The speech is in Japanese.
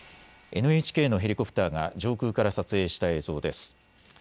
ＮＨＫのヘリコプターが上空から撮影した映像です。